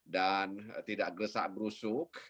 dan tidak gresak grusuk